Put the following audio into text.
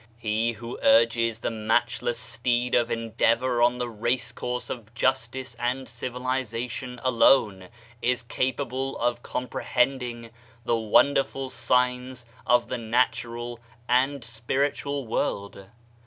He who urges the matchless steed of endeavor on the racecourse of justice and civilization alone is capable of comprehending the wonderful signs of the natural and spiritual world.